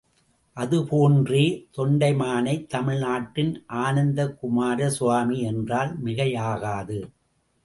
அதுபோன்றே தொண்டைமானை தமிழ்நாட்டின் ஆனந்தகுமாரசுவாமி என்றால் மிகையாகாது.